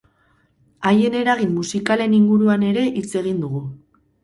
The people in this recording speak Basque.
Haien eragin musikalen inguruan ere hitz egin dugu.